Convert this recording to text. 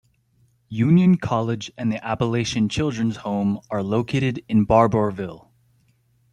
Union College and the Appalachian Children's Home are located in Barbourville.